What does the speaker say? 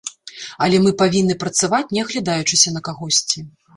Але мы павінны працаваць, не аглядаючыся на кагосьці.